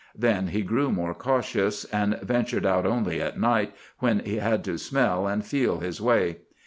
Then he grew more cautious, and ventured out only at night, when he had to smell and feel his way.